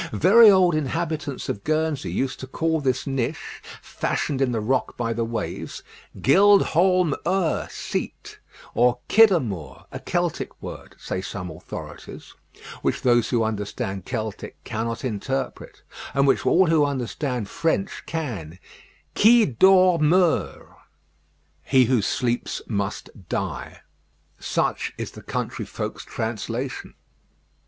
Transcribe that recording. Very old inhabitants of Guernsey used to call this niche, fashioned in the rock by the waves, "Gild Holm 'Ur" seat, or Kidormur; a Celtic word, say some authorities, which those who understand Celtic cannot interpret, and which all who understand French can "Qui dort meurt:" such is the country folks' translation.